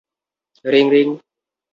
Ring, ring.